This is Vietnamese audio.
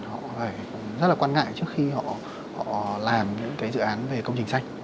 họ phải rất là quan ngại trước khi họ làm những cái dự án về công trình xanh